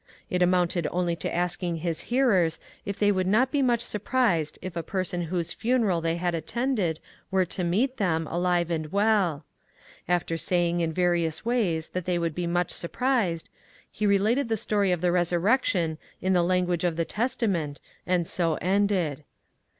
It amounted only to asking his hearers if they would not be much surprised if a person whose funeral they had attended were to meet them, alive and welL After saying in yarious ways that they would be much surprised, he related the story of the resurrection in the language of the Testament, and so ended.